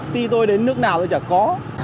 đi tôi đến nước nào tôi chả có